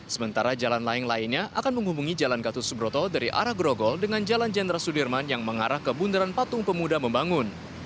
sementara jalan layang lainnya akan menghubungi jalan gatus subroto dari arah grogol dengan jalan jenderal sudirman yang mengarah ke bundaran patung pemuda membangun